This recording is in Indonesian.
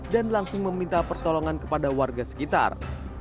dan langsung meminta pertolongan kepada warga sekitar